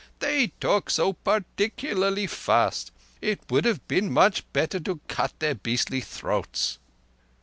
They talk so par_tic_ularly fast! It would have been much better to cut their beastly throats."